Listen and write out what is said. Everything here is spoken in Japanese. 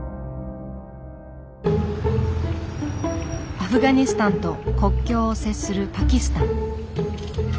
アフガニスタンと国境を接するパキスタン。